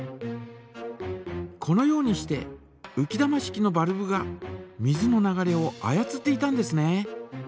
このようにしてうき玉式のバルブが水の流れを操っていたんですね。